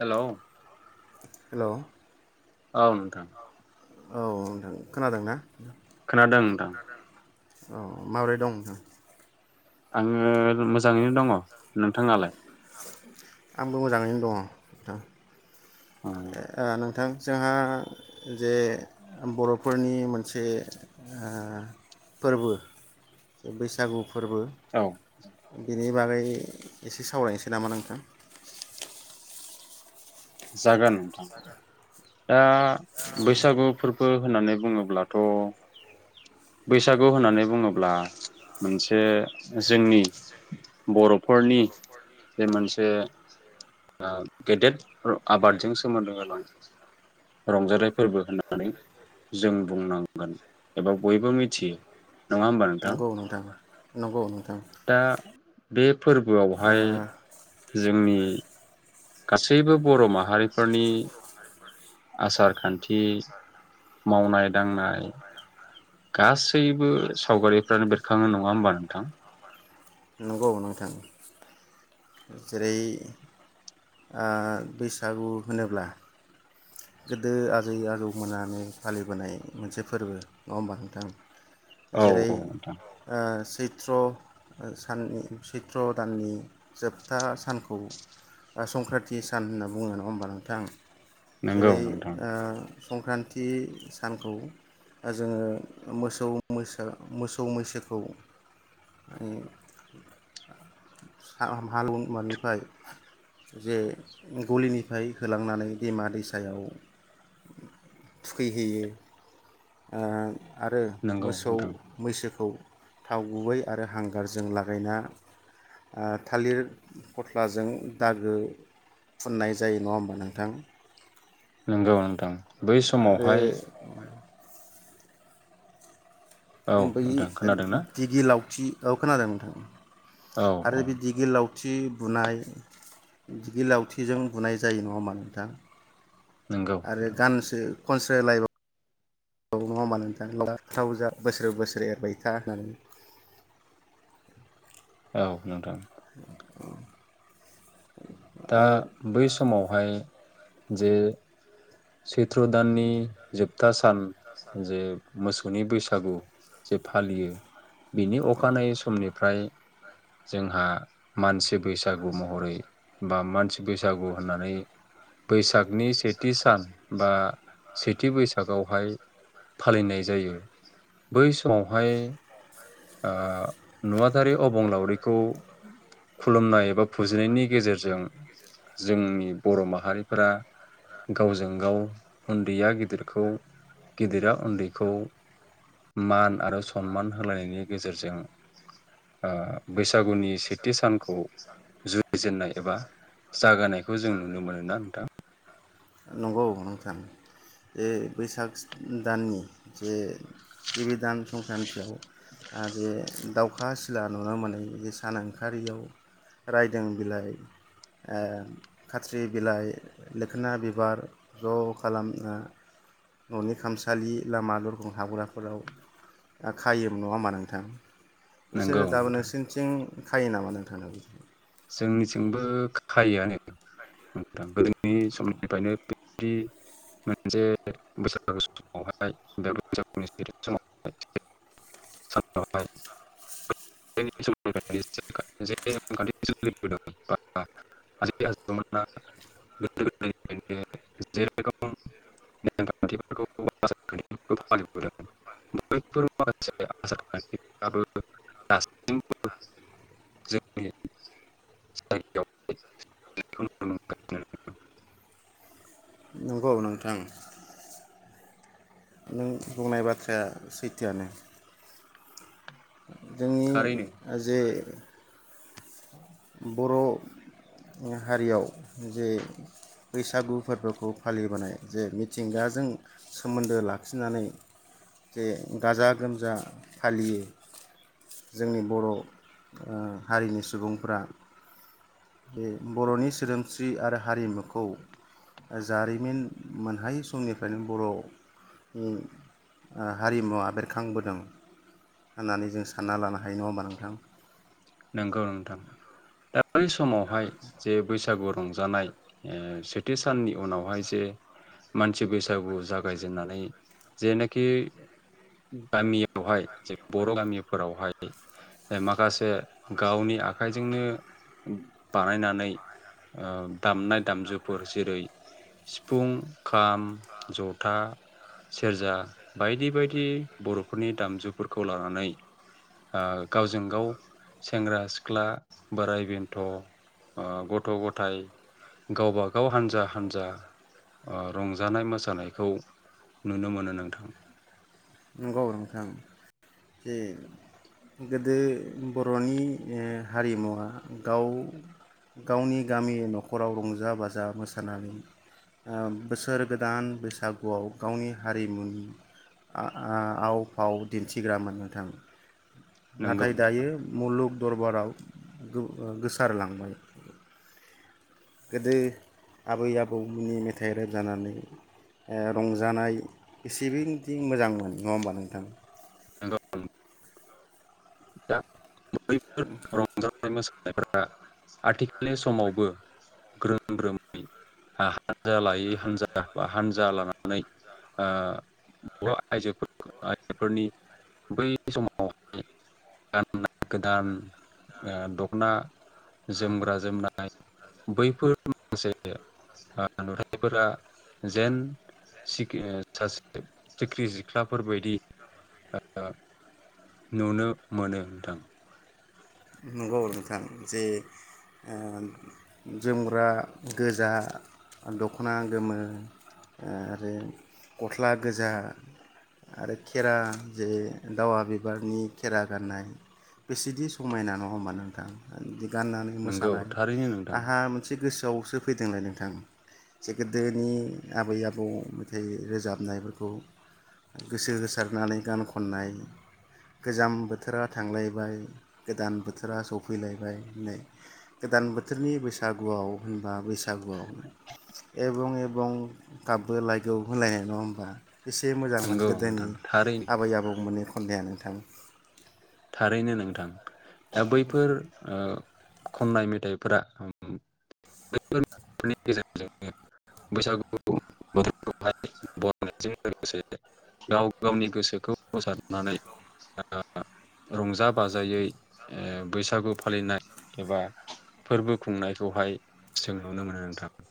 Hello hello औ नोंथां औ नों खोनादोंना? खोनादों नोंथां। औ माबोरै दं नोंथां? आङो मोजाङैनो दङ नोंथाङालाय? आंबो मोजाङैनो दङ नोंथां। ए नोंथां। जोंहा जे बर'फोरनि मोनसे ओ फोरबो बैसागु फोरबो बे औ बेनि बागै एसे सावरायनोसै नामा नोंथां। जागो नोंथां दा बैसागु फोरबो होननानै बुङोब्लाथ बैसागु होननानै बुङोब्ला मोनसे जोंनि बर'फोरनि जे मोनसे ओ गेदेर ओ आबादजों सोमोन्दो गोनां रंजाथाइ फोरबो होननानै जों बुंनांगोन एबा बयबो मिथियो नङा होमबा नोंथां। नंगौ नोंथां दा बे ओ फोरबोआवहाय जोंनि गासैबो बर' माहारिफोरनि आसार खान्थि मावनाय दांनाय गासैबो सावगारिफ्रानो बेरखाङो नङा होमबा नोंथां। नंगौ नोंथां जेरै ओ बैसागु होनोब्ला गोदो आजै आजौमोनानो फालिबोनाय मोनसे फोरबो नङा होमबा नोंथां। औ जेरै औ नोंथां ओ सै सैत्र ओ सानि सैत्र दाननि जोबथा सानखौ ओ संक्रान्ति सान होनना बुङो नङा होनबा नोंथां। नंगौ जेरै नोंथां ओ संक्रान्ति सानखौ ओ जोङो मोसौ मोसा मोसौ मैसोखौ उम साम हालौ मानिफ्राय जे गलिनिफ्राय होलांनानै दैमा दैसायाव थुखैहैयो ओ आरो नंगौ मोसौ नोंथां मैसो खौ थाव गुबै आरो हांगारजों लागायना ओ थालिर फथलाजों दागो फुननाय जायो नङा होमबा नोंथां। नोंगौ नोंथां। बै समावहाय आरो औ बै नोंथां खोनादोंना दिगि लाव थि औ खोनादों नोंथां। औ आरो औ बे दिगि लाव थि बुनाय दिगि लावथिजों बुनाय जायो नङा होमा नोंथां। नंगौ आरो नोंथां गानसो खनसे लायबाव नङा होनबा नोंथां लाव जा बोसोरे बोसोरेएरबाय था होननानै औ नोंथां। [inaudible] दा आरो बै समावहाय जे सैत्र दाननि जोबथा सान जे मोसौनि बैसागु जे फालियो बिनि अखानायै समनिफ्राय जोंहा मानसि बैसागु महरै बा मानसि बैसागु होननानै बैसागनि सेथि सान बा सेथि बैसागआवहाय फालिनाय जायो बै समावहाय ओ नुवाथारि अबंलावरिखौ खुलुमनाय एबा फुजिनायनि गेजेरजो जों जोंनि बर' माहारिफोरा गावजों गाव उन्दैया गिदिरखौ गिदिरा उन्दैखौ मान आरो सनमान होलायनायनि गेजेरजों ओ बैसागुनि सेथि सानखौ जुरिजेननाय एबा जागायनायखौ जों नुनो मोनो ना नोंथां। बे बैसागस दाननि जे गिबि दान संक्रान्तियाव आरो दावखा सिला नुनो मोनै बे सान ओंखारियाव रायदों बिलाइ ओ खाथ्रि बिलाइ मोखोना बिबार ज' खालामना न'नि खामसालि लामा दरखं हाबग्राफोराव खायोमोन नङा होमाबा नोंथां। नंगौ बिसोरो दाबो नोंथां नोंसिनिथिं खायो नामा नोंथांनाव बि जोंनिथिंबो खायोआनो नोंथां गोदोनि समनिफ्रायनो बिदि मोनसे बैसागु समावहाय बे बैसागुनि समावहाय [unintelligible] सोलिबोदोंमोन बा आजै आजौमोना गोदोनिफ्राय जायफोर नेमखान्थिफोरखौ आसारखान्थिफोरखौ फालिबोदोंमोन बैफोर माखासे आसारखान्थिफोराबो दासिमबो जोंनि [unintelligible] [unintelligible] नंगौ नोंथां नाय बाथ्राया सैथोआनो। जोंनि जे बर' हारियाव जे बैसागु फोरबोखौ फालिबोनाय जे मिथिंगाजों सोमोन्दो लाखिनानै जे गाजा गोमजा फालियो जोंनि बर' ओ हारिनि सुबुंफोरा। बे बर'नि सोदोमस्रि आरो हारिमुखौ जारिमिन मोनहायै समनिफ्रायनो बर'नि ओ हारिमुवा बेरखांबोदों होननानै जों सानना लानो हायो नङा होमबा नोंथां? नंगौ नोंथां दा बै समाव हाय जे बैसाग मास बैसागु रंजानाय ओ सेथि साननि उनावहाय जे मानसि बैसागु जागायजेननानै जेनोखि गामियावहाय जे बर' गामिफोरावहाय माखासे गावनि आखाइजोंनो बानायनानै दामनाय ओ दामजुफोर जेरै सिफुं खाम जथा सेरजा बायदि बायदि बर'फोरनि दामजुफोरखौ लानानै ओ गावजों गाव सेंग्रा सिख्ला बोराइ बेन्थ' ओ गथ' गथाय गावबागाव हानजा हानजा ओ रंजानाय मोसानायखौ नुनो मोनो नोंथां। औ नोंथां। जे गोदो बर'नि ओ हारिमुवा गाव गावनि गामि न'खराव रंजा बाजा मोसानानै ओ बोसोर गोदान बैसागुआव गावनि हारिमु आ आव फाव दिन्थिग्रामोन नोंथां। नंगौ नाथाय नोंथां दायो मुलुग दरबाराव गोसारलांबाय गोदो आबै आबौमोननि मेथाइ रोजाबनानै ओ रंजानाय एसेबोदि मोजांमोन नङा होमबा नोंथां? नंगौ। दा बैफोर रंजा मोसानायफोरा आथिखालनि समावबो ग्रोम ग्रोमै हानजा लायै हानजा बा हानजा लानानै ओ बर' आइजोफोरा आइजोफोरनि बै समाव [unintelligible] गोदान ओ दख'ना जोमग्रा जोमनाय बैफोर माखासे ओ नुथाइफोरा जेन सासे सिख्रि सिख्लाफोर बायदि ओ नुनो मोनो। नोंथां। नंगौ नोंथां जे ओ जोमग्रा गोजा दख'ना गोमो आरो गस्ला गोजा आरो खेरा जे दावा बिबारनि खेरा गाननाय बेसेदि समायना नङा होमबा नोंथां? गाननानै नंगौ मोसानाय थारैनो नोंथां। आंहा मोनसे गोसोआवसो फैदोंलाय नोंथां जे गोदोनि आबै आबौ जे रोजाबनायफोरखौ गोसो होसारनानै गान खननाय गोजां बोथोरा थांलायबाय गोदान बोथोरा सफैलायबाय नै गोदान बोथोरनि बैसागुआव होनबा बैसागुआव एबं एबं गाबबो लायगौ होलायनाय नङा होनबा एसे मोजांमोनो नंगौ गोदोनि नोंथां थारैनो आबै आबौमोननि खनया नोंथां। थारैनो नोंथां। दा बैफोर ओ खननाय मेथाइफोरा बैफोरनि गेजेरजोंनो बैसागुखौ [inaudible] बरायनायजों लोगोसे गाव गावनि गोसोखौ फोसारनानै ओ रंजा बाजायै बैसागु फालिनाय एबा फोरबो खुंनायखौहाय जों नुनो मोनो नोंथां।